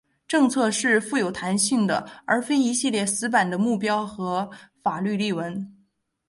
政策是富弹性的而非一系列死板的目标或法律例文。